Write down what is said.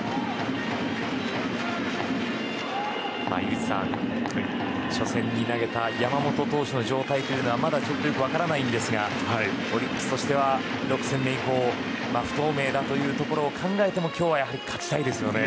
井口さん、初戦に投げた山本投手の状態はまだ、ちょっとよく分かりませんがオリックスとしては６戦目以降不透明だというところを考えても今日は勝ちたいですよね。